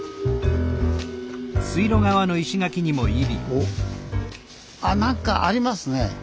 おっあ何かありますね。